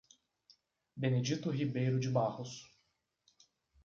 Benedito Ribeiro de Barros